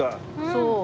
そう。